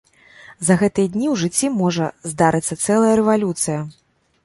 За гэтыя дні ў жыцці можа здарыцца цэлая рэвалюцыя!